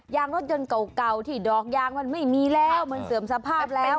ยางรถยนต์เก่าที่ดอกยางมันไม่มีแล้วมันเสื่อมสภาพแล้ว